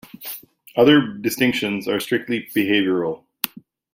Other distinctions are strictly behavioral.